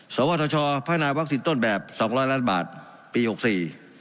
สวทชพัฒนาวัคซีนต้นแบบ๒๐๐ล้านบาทปี๖๔